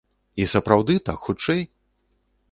І сапраўды, так хутчэй!